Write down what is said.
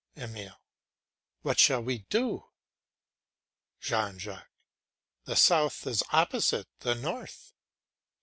EMILE. What shall we do? JEAN JACQUES. The south is opposite the north.